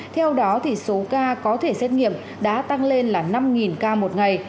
theo đó số ca có thể xét nghiệm đã tăng lên là năm ca một ngày